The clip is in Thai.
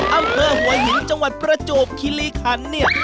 อำเภอหัวหินจังหวัดประจวบคิริคันเนี่ย